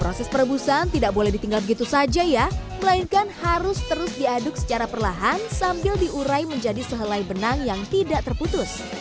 proses perebusan tidak boleh ditinggal begitu saja ya melainkan harus terus diaduk secara perlahan sambil diurai menjadi sehelai benang yang tidak terputus